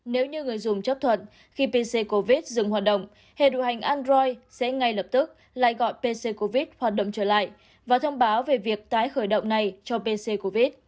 nếu như người dùng chấp thuận khi pc covid dừng hoạt động hệ điều hành android sẽ ngay lập tức lại gọi pc covid hoạt động trở lại và thông báo về việc tái khởi động này cho pc covid